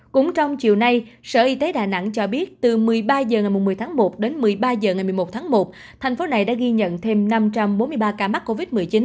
cũng trong chiều nay sở y tế đà nẵng cho biết từ một mươi ba h ngày một mươi tháng một đến một mươi ba h ngày một mươi một tháng một thành phố này đã ghi nhận thêm năm trăm bốn mươi ba ca mắc covid một mươi chín